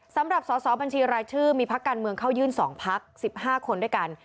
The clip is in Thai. สำหรับสอสอบัญชีรายชื่อมีพักการเมืองเข้ายื่น๒พัก๑๕คนด้วยกัน